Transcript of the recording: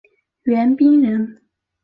袁彬人。